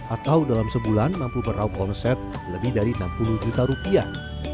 atau dalam sebulan mampu meraup omset lebih dari enam puluh juta rupiah